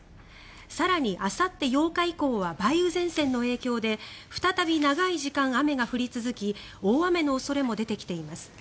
更に、あさって８日以降は梅雨前線の影響で再び長い時間、雨が降り続き大雨の恐れも出てきています。